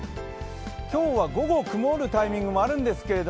今日は午後曇るタイミングもあるんですけど